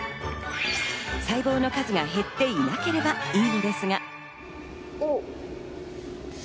細胞の数が減っていなければいいんですが。